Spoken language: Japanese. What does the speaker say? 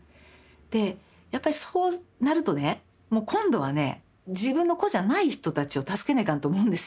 でやっぱりそうなるとねもう今度はね自分の子じゃない人たちを助けないかんと思うんですようん。